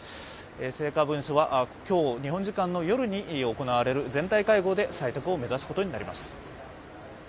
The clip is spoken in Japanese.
成果文書は今日日本時間の夜に行われる全体会合で採択を目指すことになります。